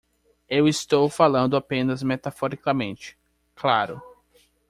Eu estou falando apenas metaforicamente, claro.